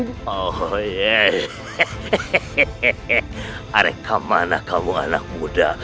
bagaimana kamu anak muda